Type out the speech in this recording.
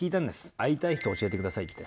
会いたい人を教えて下さいって。